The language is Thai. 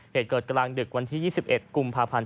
เหตุเกิดกลางดึกวันที่๒๑กุมภาพันธ์